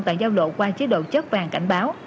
tại giao lộ qua chế độ chất vàng cảnh báo